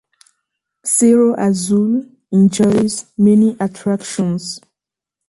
Cerro Azul enjoys many attractions.